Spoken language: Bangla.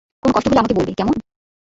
কোনো কষ্ট হলে আমাকে বলবে, কেমন?